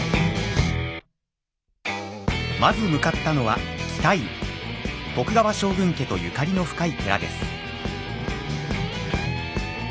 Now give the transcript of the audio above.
まず向かったのは徳川将軍家とゆかりの深い寺です。